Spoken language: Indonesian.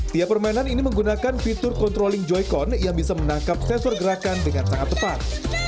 tiap permainan ini menggunakan fitur controlling joycon yang bisa menangkap sensor gerakan dengan sangat tepat